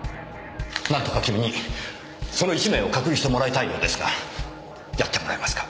なんとか君にその１名を隔離してもらいたいのですがやってもらえますか？